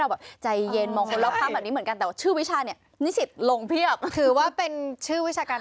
เป็นมีที่สำคัญ